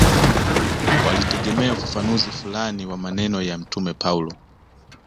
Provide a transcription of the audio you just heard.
Walitegemea ufafanuzi fulani wa maneno ya Mtume Paulo